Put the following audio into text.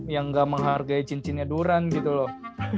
yang gak menghargai cincinnya duran gitu loh